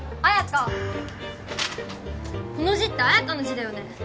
この字って彩花の字だよね？